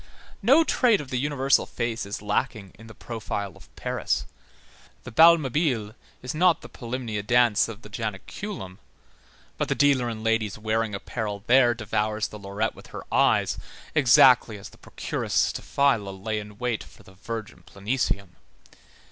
No trait of the universal face is lacking in the profile of Paris. The bal Mabile is not the polymnia dance of the Janiculum, but the dealer in ladies' wearing apparel there devours the lorette with her eyes, exactly as the procuress Staphyla lay in wait for the virgin Planesium.